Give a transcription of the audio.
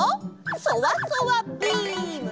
そわそわビーム！